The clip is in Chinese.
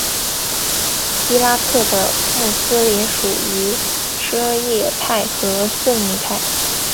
伊拉克的穆斯林属于什叶派和逊尼派。